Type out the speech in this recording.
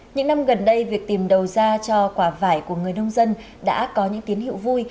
những năm gần đây việc tìm đầu ra cho quả vải của người nông dân đã có những tín hiệu vui